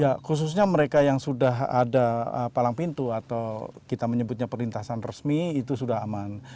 ya khususnya mereka yang sudah ada palang pintu atau kita menyebutnya perlintasan resmi itu sudah aman